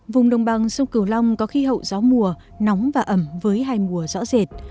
vùng đồng bằng sông cửu long có khí hậu gió mùa nóng và ẩm với hai mùa rõ rệt